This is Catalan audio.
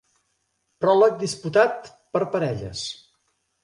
Pròleg disputat per parelles.